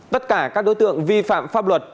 tất cả các đối tượng vi phạm pháp luật